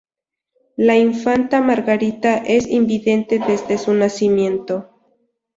La infanta Margarita es invidente desde su nacimiento.